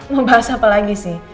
mau bahas apa lagi sih